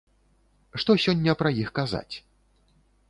Што сёння пра іх казаць?